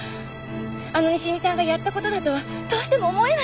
あの西見さんがやったことだとはどうしても思えないのよ！